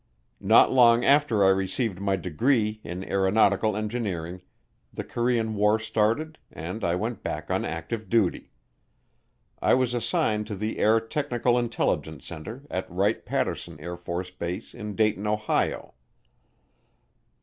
Not long after I received my degree in aeronautical engineering, the Korean War started, and I went back on active duty. I was assigned to the Air Technical Intelligence Center at Wright Patterson Air Force Base, in Dayton, Ohio.